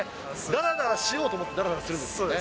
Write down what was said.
だらだらしようと思ってだらだらするんですね。